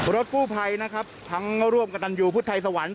รถกู้ภัยนะครับทั้งร่วมกับตันยูพุทธไทยสวรรค์